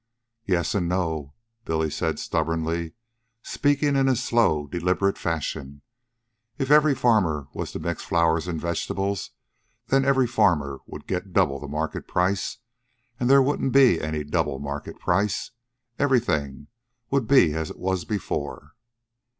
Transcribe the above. "Yes, and no," Billy said stubbornly, speaking in his slow, deliberate fashion. "If every farmer was to mix flowers an' vegetables, then every farmer would get double the market price, an' then there wouldn't be any double market price. Everything'd be as it was before."